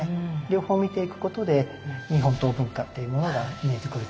両方見ていくことで日本刀文化っていうものが見えてくると思います。